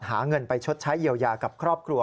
หาเงินไปชดใช้เยียวยากับครอบครัว